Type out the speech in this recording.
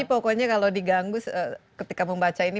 pokoknya kalau diganggu ketika membaca ini